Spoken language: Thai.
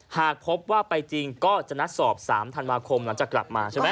หากพบว่าไปจริงก็จะนัดสอบ๓ธันวาคมหลังจากกลับมาใช่ไหม